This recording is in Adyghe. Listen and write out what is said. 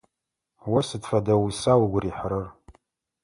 О сыд фэдэ уса угу рихьырэр?